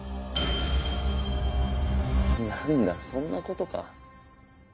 何だそんなことか。